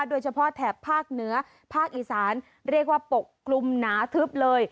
แถบภาคเหนือภาคอีสานเรียกว่าปกกลุ่มหนาทึบเลย